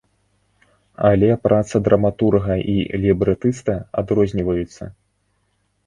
Але праца драматурга і лібрэтыста адрозніваюцца.